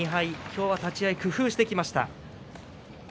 今日は立ち合い工夫してきました。